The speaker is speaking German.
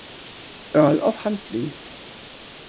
Earl of Huntly.